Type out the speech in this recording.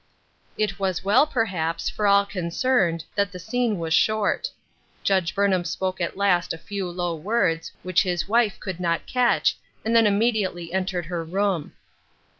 It was well, perhaps, for all concerned that the scene was short. Judge Burnham spoke at last a few low words, which his wife could not catch, and then immediately entered her room.